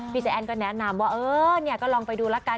พี่แซ้นก็แนะนำว่าเออก็ลองไปดูละกัน